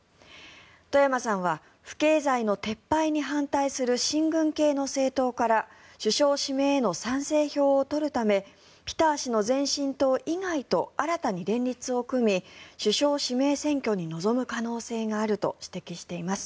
外山さんは不敬罪の撤廃に反対する親軍系の政党から首相指名への賛成票を取るためピター氏の前進党以外と新たに連立を組み首相指名選挙に臨む可能性があると指摘しています。